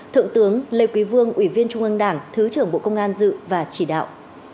thượng tướng lê quý vương ủy viên trung ương đảng thứ trưởng bộ công an dự và chỉ đạo